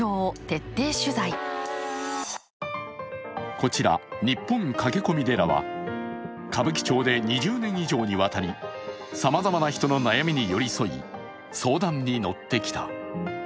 こちら、日本駆け込み寺は歌舞伎町で２０年以上にわたりさまざまな人の悩みに寄り添い相談に乗ってきた。